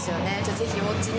ぜひおうちに。